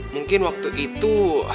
mungkin waktu itu